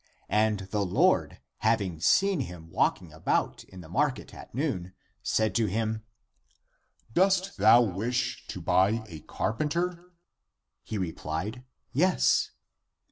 And the Lord, having seen him walking about in the market at noon, said to him, " Dost thou wish to buy a carpenter?" He replied, " Yes."